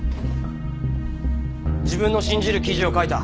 自分の信じる記事を書いた。